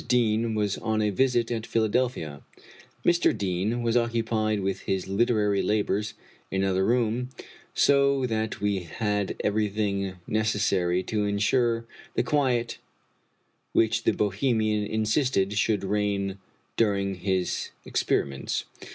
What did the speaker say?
Deane was on a visit at Philadelphia; Mr. Deane was occupied with his literary labors in another room, so that we had everything neces sary to insure the quiet which the Bohemian insisted should reign during his experiments.